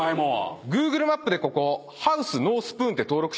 Ｇｏｏｇｌｅマップでここ「ハウスノースプーン」って登録しておきますね。